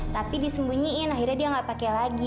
tapi disembunyiin akhirnya dia nggak pakai lagi